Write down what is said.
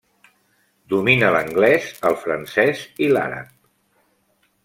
Domina l'anglès, el francès i l'àrab.